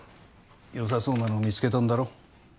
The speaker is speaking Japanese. よさそうなの見つけたんだろ？